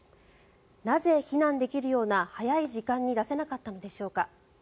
なぜ、避難できるような早い時間に出せなかったのでしょうか。